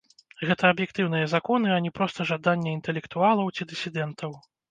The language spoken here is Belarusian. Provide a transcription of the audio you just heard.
Гэта аб'ектыўныя законы, а не проста жаданне інтэлектуалаў ці дысідэнтаў.